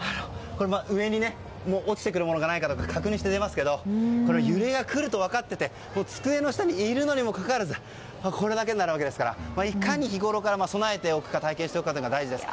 上に落ちてくるものがないか確認してから出ますけど揺れが来ると分かっていて机の下にいるのにもかかわらずこれだけになるわけですからいかに日ごろから備えておくことが大事です。